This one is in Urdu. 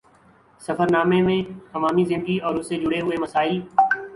سفر نامے میں عوامی زندگی اور اُس سے جڑے ہوئے مسائل